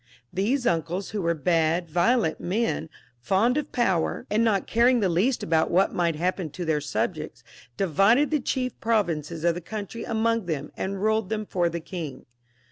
These uncles, who were bad violent men, fond of power, and not caring the least about what might happen to their subjects, divided the chief provinces of the country amongst them, and ruled them for the king.